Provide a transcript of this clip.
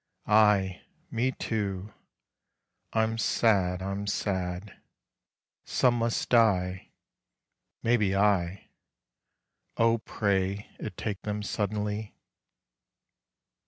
Aie me too! I'm sad.... I'm sad: Some must die (Maybe I): O pray it take them suddenly!